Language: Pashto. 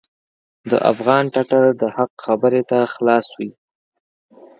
د افغان ټټر د حق خبرې ته خلاص وي.